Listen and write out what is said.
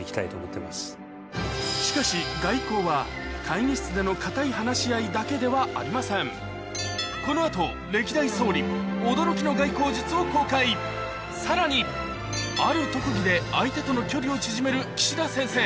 しかし外交は会議室での堅い話し合いだけではありませんこの後さらにある特技で相手との距離を縮める岸田先生